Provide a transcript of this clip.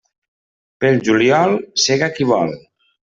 Pel juliol, sega qui vol.